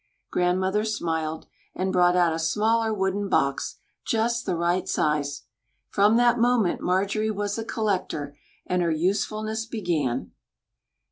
Grandmother smiled, and brought out a smaller wooden box, just the right size. From that moment Marjorie was a collector, and her usefulness began.